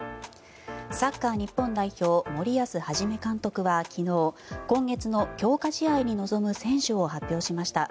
サッカー日本代表森保一監督は昨日今月の強化試合に臨む選手を発表しました。